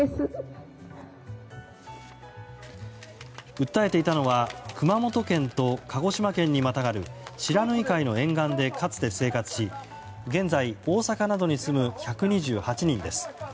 訴えていたのは熊本県と鹿児島県にまたがる不知火海の沿岸でかつて生活し現在、大阪などに住む１２８人です。